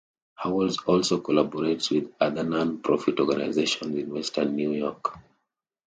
Hallwalls also collaborates with other non-profit organizations in Western New York.